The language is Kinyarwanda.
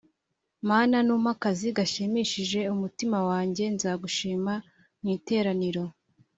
Mana numpa akazi gashimishije umutima wanjye nzagushima mwiteraniro